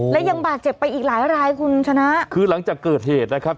และยังบาดเจ็บไปอีกหลายรายคุณชนะคือหลังจากเกิดเหตุนะครับ